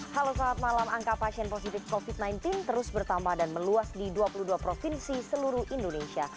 halo saat malam angka pasien positif covid sembilan belas terus bertambah dan meluas di dua puluh dua provinsi seluruh indonesia